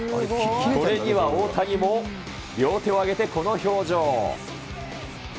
これには大谷も、両手を上げてこの表情。